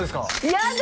やだ！